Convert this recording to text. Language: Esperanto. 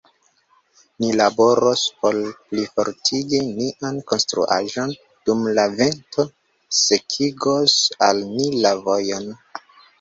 Ni laboros por plifortigi nian konstruaĵon, dum la vento sekigos al ni la vojon.